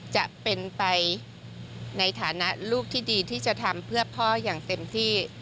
จะเป็นไปในฐานะลูกที่ดีที่จะทำเพื่อพ่ออย่างเต็มที่